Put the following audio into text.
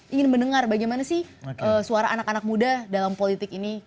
ingin mendengar bagaimana sih suara anak anak muda dalam politik ini